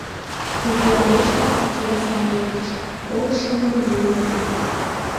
Но, пиалешна, чыла сайын эртыш, колышо монь лийын огыл.